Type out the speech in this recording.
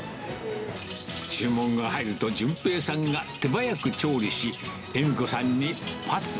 注文が入ると、淳平さんが手早く調理し、恵美子さんにパス。